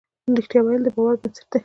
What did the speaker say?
رښتيا ويل د باور بنسټ دی.